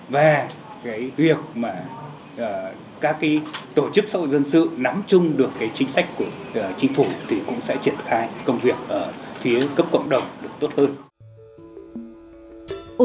và cái việc mà các tổ chức xã hội dân sự nắm chung được cái chính sách của chính phủ thì cũng sẽ triển khai công việc ở phía cấp cộng đồng được tốt hơn